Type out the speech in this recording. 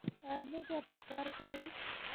آیا موږ ورته کار کوو؟